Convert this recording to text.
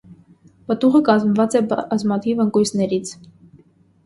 Պտուղը կազմված է բազմաթիվ ընկույզիկներից։